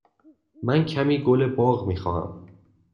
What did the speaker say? من کمی گل باغ می خواهم.